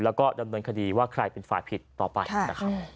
และดำเนินคดีว่าใครเป็นฝ่ายผิดต่อไป